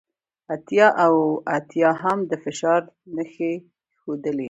اتیا اوه اتیا هم د فشار نښې ښودلې